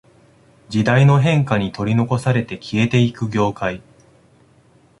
時代の変化に取り残されて消えていく業界